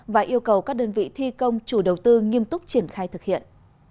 và yêu cầu các đơn vị thi công chủ đầu tư nghiêm túc triển khai thực hiện